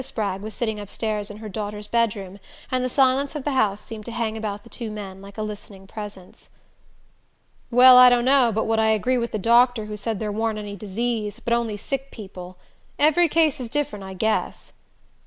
Spragg was sitting upstairs in her daughter's bedroom, and the silence of the house seemed to hang about the two men like a listening presence. "Well, I dunno but what I agree with the doctor who said there warn't any diseases, but only sick people. Every case is different, I guess." Mr.